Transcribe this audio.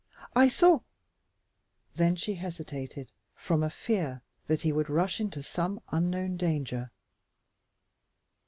"I saw " Then she hesitated from a fear that he would rush into some unknown danger.